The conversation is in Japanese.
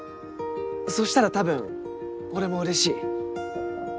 そしたら多分俺も嬉しい。